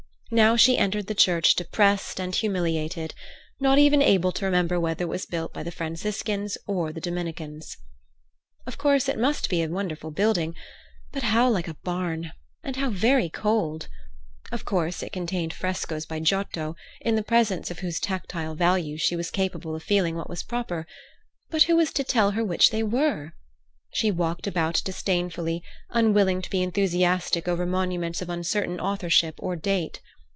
Now she entered the church depressed and humiliated, not even able to remember whether it was built by the Franciscans or the Dominicans. Of course, it must be a wonderful building. But how like a barn! And how very cold! Of course, it contained frescoes by Giotto, in the presence of whose tactile values she was capable of feeling what was proper. But who was to tell her which they were? She walked about disdainfully, unwilling to be enthusiastic over monuments of uncertain authorship or date.